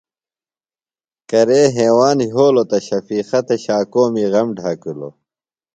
کرے ہیواند یھولوۡ تہ شفیقہ تھےۡ شاکومی غم ڈھکِلوۡ۔